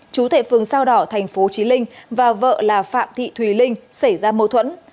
chú thệ phường sao đỏ tp chí linh và vợ là phạm thị thùy linh xảy ra mâu thuẫn